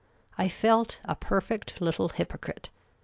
I felt a perfect little hypocrite.